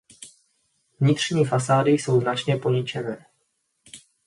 Vnitřní fasády jsou značně poničené.